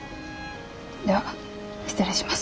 では失礼します。